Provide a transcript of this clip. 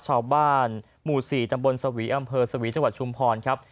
ชาวบ้านหมู่๔ตำบลสวีอำเภอสวีจังหวัดชุมพรครับ